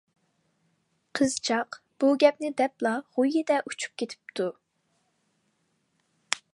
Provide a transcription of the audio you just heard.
قىزچاق بۇ گەپنى دەپلا غۇييىدە ئۇچۇپ كېتىپتۇ.